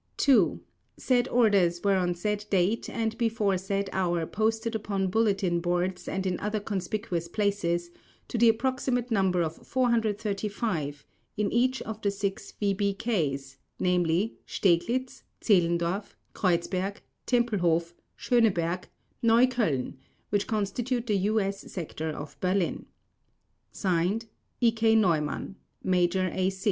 Said orders were on said date and before said hour posted upon bulletin boards and in other conspicuous places, to the approximate number of 435, in each of the six VBKs, namely Steglitz, Zehlendorf, Kreuzberg, Tempelhof, Schöneberg, Neukölln, which constitute the U.S. Sector of Berlin. /s/ E. K. NEUMANN Major, A.